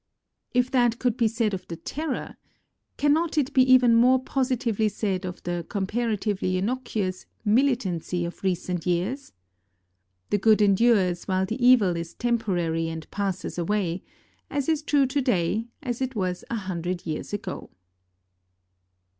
If that could be said of the Terror cannot it be even more positively said of the comparatively innocuous "militancy" of recent years? The good endures, while the evil is temporary and passes away, is as true to day as it was a hundred years ago.